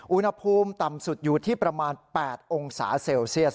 อุณหภูมิต่ำสุดอยู่ที่ประมาณ๘องศาเซลเซียส